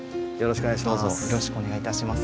よろしくお願いします。